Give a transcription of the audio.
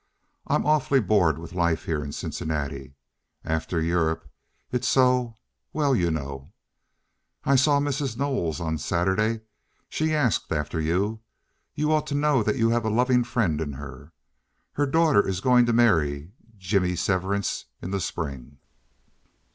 "I'm awfully bored with life here in Cincinnati. After Europe it's so—well, you know. I saw Mrs. Knowles on Saturday. She asked after you. You ought to know that you have a loving friend in her. Her daughter is going to marry Jimmy Severance in the spring."